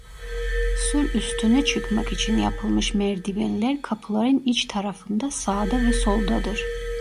Sur üstüne çıkmak için yapılmış merdivenler kapıların iç tarafında sağda ve soldadır.